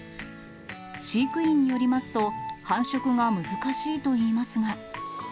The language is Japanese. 飼育員によりますと、繁殖が難しいといいますが。